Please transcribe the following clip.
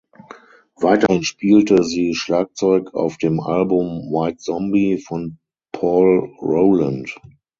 Weiterhin spielte sie Schlagzeug auf dem Album "White Zombie" von Paul Roland.